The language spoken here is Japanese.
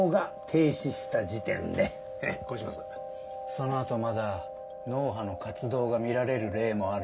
そのあとまだ脳波の活動が見られる例もある。